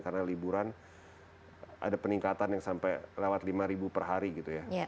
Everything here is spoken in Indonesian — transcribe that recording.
karena liburan ada peningkatan yang sampai lewat lima per hari gitu ya